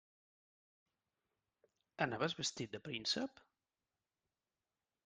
Anaves vestit de príncep?